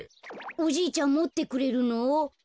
おじいちゃんもってくれるの？